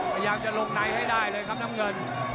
พยายามจะลงในให้ได้เลยครับน้ำเงิน